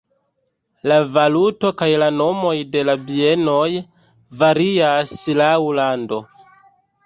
La valuto kaj la nomoj de la bienoj varias laŭ lando.